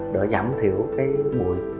để giảm thiểu bụi